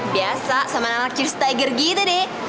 biasa sama anak anak cus tiger gitu deh